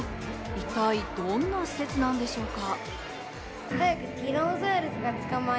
一体どんな施設なんでしょうか？